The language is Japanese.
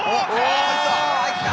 お入った！